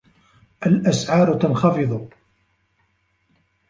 الاسعار تنخفض